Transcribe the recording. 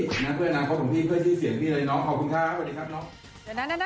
เพื่อนน้องเพื่อนพี่เพื่อนพี่เพื่อนพี่เสียงพี่เลยน้องขอบคุณค่ะสวัสดีครับน้อง